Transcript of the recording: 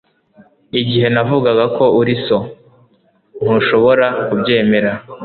Igihe navuga ko uri so, ntushobora kubyemera.